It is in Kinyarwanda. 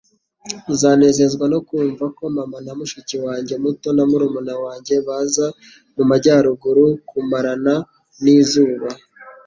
Uzanezezwa no kumva ko mama, na mushiki wanjye muto na murumuna wanjye baza mu majyaruguru kumarana nizuba.